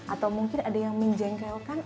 atau mungkin ada yang menjengkelkan